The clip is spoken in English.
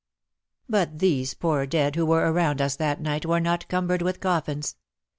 But those poor dead who 94 WAR AND WOMEN were around us that night were not cumbered with coffins.